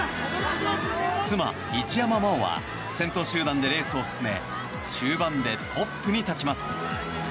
妻・一山麻緒は先頭集団でレースを進め中盤でトップに立ちます。